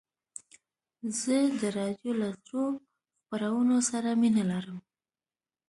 زه د راډیو له زړو خپرونو سره مینه لرم.